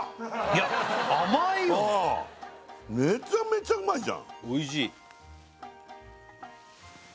いや甘いよめちゃめちゃうまいじゃんおいしい！